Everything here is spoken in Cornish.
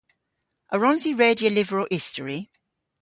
A wrons i redya lyvrow istori?